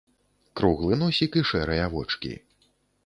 Круглы носік і шэрыя вочкі.